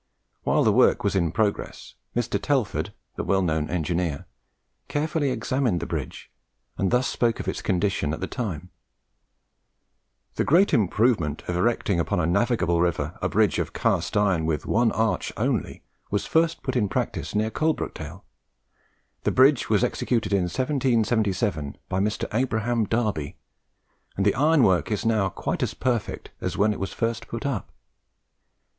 While the work was in progress, Mr. Telford, the well known engineer, carefully examined the bridge, and thus spoke of its condition at the time: "The great improvement of erecting upon a navigable river a bridge of cast iron of one arch only was first put in practice near Coalbrookdale. The bridge was executed in 1777 by Mr. Abraham Darby, and the ironwork is now quite as perfect as when it was first put up.